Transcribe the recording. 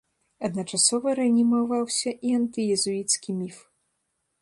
Адначасова рэанімаваўся і антыезуіцкі міф.